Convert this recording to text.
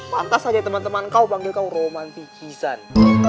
pantas saja teman teman kau panggil kau romantikisan